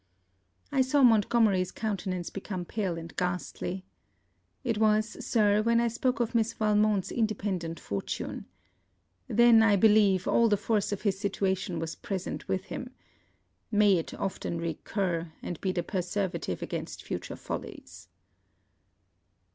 I saw Montgomery's countenance become pale and ghastly. It was, Sir, when I spoke of Miss Valmont's independent fortune. Then, I believe, all the force of his situation was present with him. May it often recur, and be the preservative against future follies.